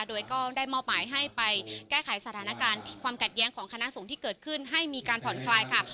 โดยก็ได้มอบหมายให้ไปแก้ไขสถานการณ์ความขัดแย้งของคณะสงฆ์ที่เกิดขึ้นให้มีการผ่อนคลายค่ะ